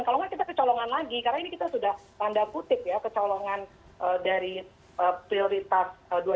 kalau nggak kita kecolongan lagi karena ini kita sudah tanda kutip ya kecolongan dari prioritas dua ribu dua puluh